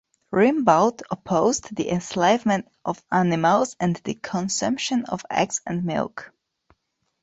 Rimbault opposed the enslavement of animals and the consumption of eggs and milk.